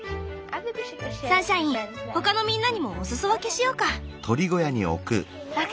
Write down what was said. サンシャイン他のみんなにもおすそ分けしようか。